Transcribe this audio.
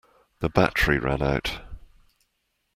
The battery ran out.